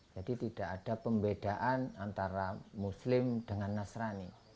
jadi tidak ada pembedaan antara muslim dengan nasrani